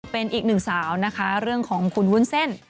เป็นอีกหนึ่งสาวนะคะเรื่องของคุณวุ้นเส้น